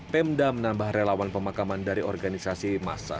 pemda menambah relawan pemakaman dari organisasi masa